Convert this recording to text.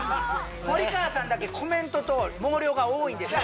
森川さんだけコメントと毛量が多いんですよ